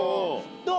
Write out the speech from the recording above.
どう？